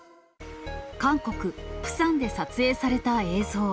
韓国・プサンで撮影された映像。